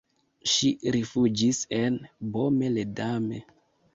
Ŝi rifuĝis en Baume-les-Dames.